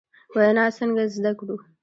وینا څنګه زدکړو ؟